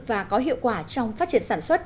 và có hiệu quả trong phát triển sản xuất